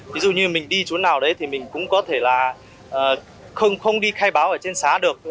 ví dụ như mình đi chỗ nào đấy thì mình cũng có thể là không đi khai báo ở trên xá được